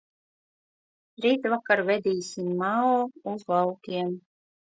Rītvakar vedīsim Mao uz laukiem.